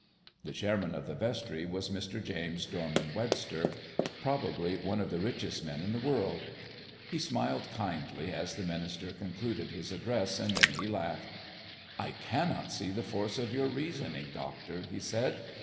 The chairman of the vestry was Mr. James Dorman Webster, probably one of the richest men in the world. He smiled kindly as the minister concluded his address, and then he laughed. "I cannot see the force of your reasoning, doctor," he said.